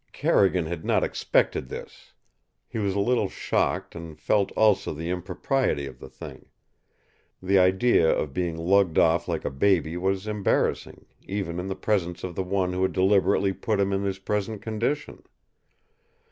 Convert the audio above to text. Carrigan had not expected this. He was a little shocked and felt also the impropriety of the thing. The idea of being lugged off like a baby was embarrassing, even in the presence of the one who had deliberately put him in his present condition.